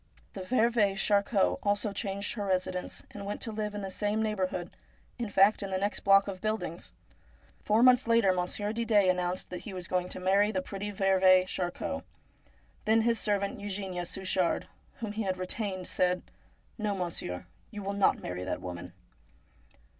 The veuve Charcot also changed her residence, and went to live in the same neighbourhood, in fact in the next block of buildings. Four months later Monsieur Didet announced that he was going to marry the pretty veuve Charcot. Then his servant Eugenia Suchard, whom he had retained, said :' No, monsieur, you shall not marry that woman.'